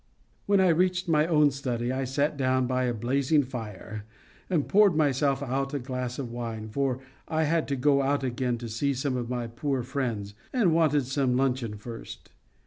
When I reached my own study, I sat down by a blazing fire, and poured myself out a glass of wine; for I had to go out again to see some of my poor friends, and wanted some luncheon first.